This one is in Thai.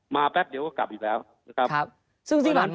มาแป๊บเดี๋ยวก็กลับอีกแล้วนะครับ